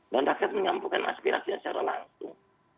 dan rakyat menyambungkan aspirasi secara langsung